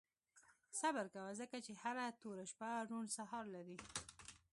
• صبر کوه، ځکه چې هره توره شپه روڼ سهار لري.